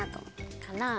かな？